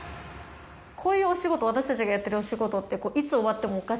こういうお仕事私たちがやってるお仕事って。